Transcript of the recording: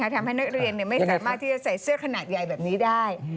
ทำให้นักเรียนไม่สามารถที่จะใส่เสื้อขนาดใหญ่แบบนี้ได้